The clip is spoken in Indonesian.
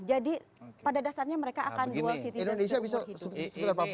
jadi pada dasarnya mereka akan dual citizen semua itu